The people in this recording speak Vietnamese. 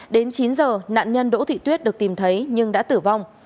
đến chín giờ nạn nhân đỗ thị tuyết được tìm thấy nhưng đã tử vong